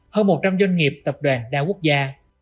hơn một trăm linh doanh nghiệp tập đoàn đa quốc gia